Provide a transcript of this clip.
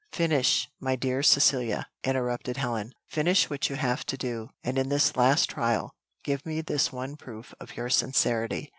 "Finish! my dear Cecilia," interrupted Helen; "finish what you have to do, and in this last trial, give me this one proof of your sincerity.